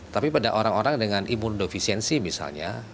tapi pada orang orang dengan imun defisiensi misalnya